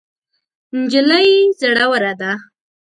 نجلۍ زړوره ده.